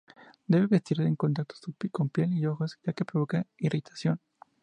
Debe evitarse su contacto con piel y ojos ya que provoca irritación.